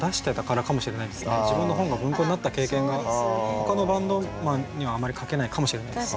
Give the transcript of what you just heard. ほかのバンドマンにはあまり書けないかもしれないです。